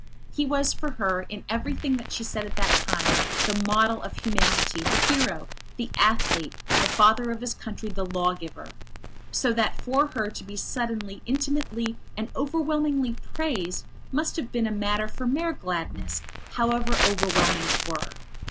He was for her, in everything that she said at that time, the model of humanity, the hero, the athlete, the father of his country, the law giver. So that for her, to be suddenly, intimately and overwhelmingly praised must have been a matter for mere gladness, however overwhelming it were.